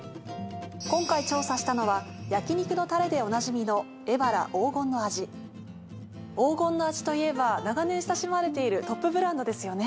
今回調査したのは焼肉のたれでおなじみのエバラ黄金の味黄金の味といえば長年親しまれているトップブランドですよね。